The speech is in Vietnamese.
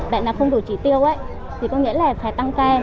bạn nào không đủ chỉ tiêu thì có nghĩa là phải tăng khe